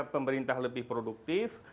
pemerintah lebih produktif